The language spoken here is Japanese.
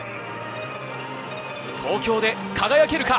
東京で輝けるか。